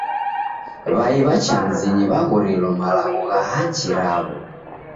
W'ai cha mizinyi w'aghorelo malagho gha hachi raw'o.